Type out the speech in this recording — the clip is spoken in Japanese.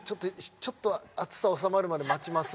「ちょっと暑さおさまるまで待ちます」